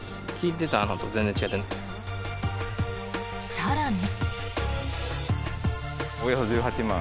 更に。